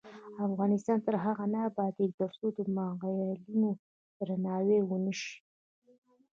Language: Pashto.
افغانستان تر هغو نه ابادیږي، ترڅو د معلولینو درناوی ونشي.